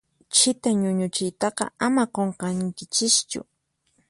Chita ñuñuchiytaqa ama qunqankichischu.